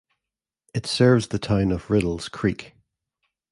It serves the town of Riddells Creek.